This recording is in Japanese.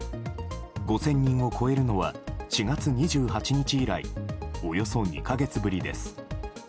５０００人を超えるのは４月２８日以来およそ２か月ぶりです。